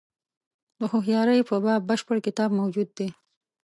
د هوښیاري په باب بشپړ کتاب موجود دی.